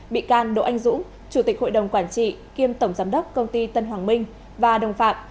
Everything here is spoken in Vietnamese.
bị can đỗ anh dũng chủ tịch hội đồng quản trị kiêm tổng giám đốc công ty tân hoàng minh và đồng phạm